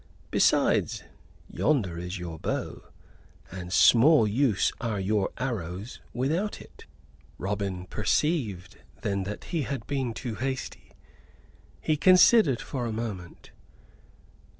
"Besides, yonder is your bow, and small use are your arrows without it." Robin perceived then that he had been too hasty. He considered for a moment.